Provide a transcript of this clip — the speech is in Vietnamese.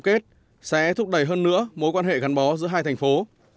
chính tình bạn là tài sản vô giá gắn kết sẽ thúc đẩy hơn nữa mối quan hệ gắn bó giữa hai thành phố